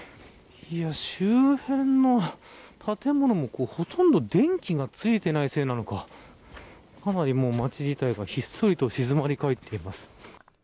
周辺の建物もほとんど電気がついていないせいなのかかなり町自体がひっそりと静まり返っています。